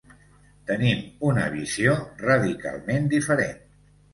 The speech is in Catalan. Tenim una visió radicalment diferent.